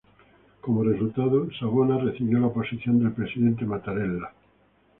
Como resultado, Savona recibió la oposición del presidente Mattarella.